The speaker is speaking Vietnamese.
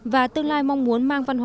và tương lai mong muốn mang văn hóa